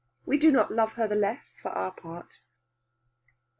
We do not love her the less, for our part.